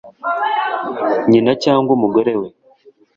Nyina cyangwa umugore we?